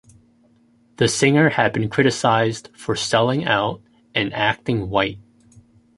The singer had been criticized for "selling out" and "acting white".